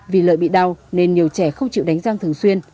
vì lợi bị đau nên nhiều trẻ không chịu đánh răng thường xuyên